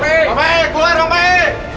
bapak i bapak i